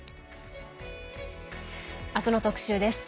明日の特集です。